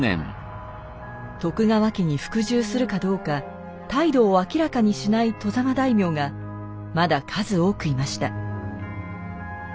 徳川家に服従するかどうか態度を明らかにしない外様大名がまだ数多くいました。